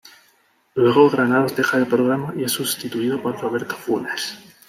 Luego Granados deja el programa y es sustituido por Roberto Funes.